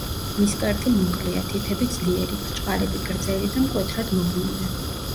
ნისკარტი მოკლეა; თითები ძლიერი, ბრჭყალები გრძელი და მკვეთრად მოღუნული.